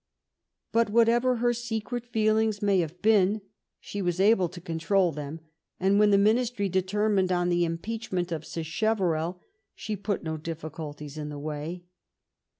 But whatever her secret feelings may have been, she was able to control them, and when the ministry de termined on the impeachment of Sacheverell she put no difficulties in the way.